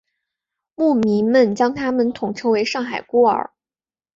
牧民们将他们统称为上海孤儿。